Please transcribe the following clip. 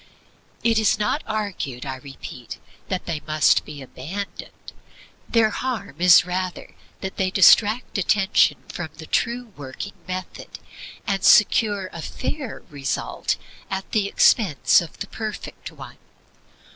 It is not argued, I repeat, that they must be abandoned. Their harm is rather that they distract attention from the true working method, and secure a fair result at the expense of the perfect one.